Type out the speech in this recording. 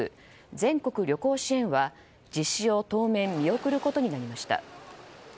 全国旅行支援は実施を当面見送ることになりました。